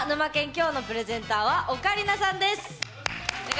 今日のプレゼンターオカリナさんです。